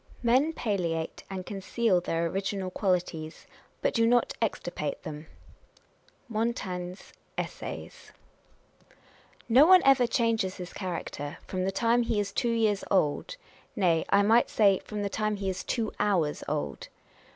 Men palliate and conceal their original qualities, but do not extirpate them. â€" MONTAIGNE'S Essays. No one ever changes his character from the time he is two years old ; nay, I might say, from the time he is two hours old.